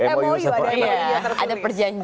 mou ada perjanjian